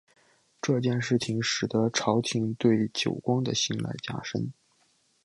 这件事情使得朝廷对久光的信赖加深。